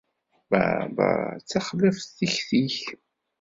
Baa bab! D taxlaft tikti-k.